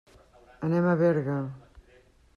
Anem a Berga.